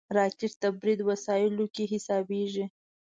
راکټ د برید وسایلو کې حسابېږي